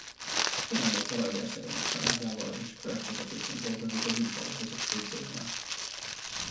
Jelenleg Zalaegerszegen él családjával és projektvezetőként dolgozik egy munkaerő-közvetítő cégnél.